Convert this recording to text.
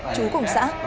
chú cùng xã